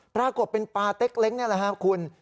ปรากฏเป็นปลาเต็กเล้งนี่แหละครับคุณ